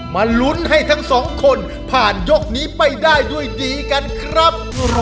มาลุ้นให้ทั้งสองคนผ่านยกนี้ไปได้ด้วยดีกันครับ